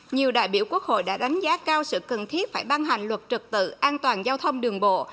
nhiều đại biểu quốc hội đã đánh giá cao sự cần thiết phải ban hành luật trật tự an toàn giao thông đường bộ